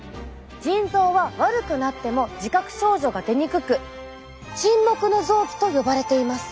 腎臓は悪くなっても自覚症状が出にくく沈黙の臓器と呼ばれています。